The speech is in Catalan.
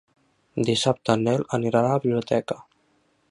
Dissabte en Nel anirà a la biblioteca.